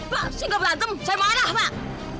pak saya nggak berantem saya marah pak